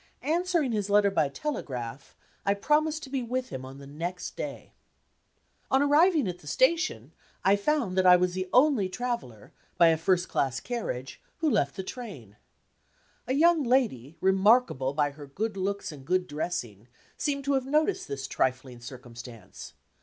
Answering his letter by telegraph, I promised to be with him on the next day. On arriving at the station, I found that I was the only traveler, by a first class carriage, who left the train. A young lady, remarkable by her good looks and good dressing, seemed to have noticed this trifling circumstance.